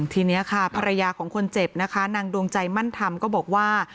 ทีนี้ค่ะภรรยาของคนเจ็บนะคะนางดวงใจมั่นธรรมก็บอกว่า